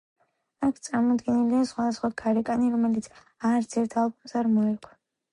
აქ წარმოდგენილია სხვადასხვა გარეკანი, რომელიც არც ერთ ალბომს არ მოერგო.